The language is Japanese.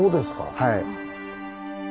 はい。